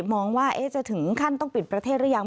มองว่าจะถึงขั้นต้องปิดประเทศหรือยัง